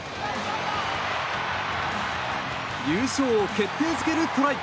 優勝を決定付けるトライ。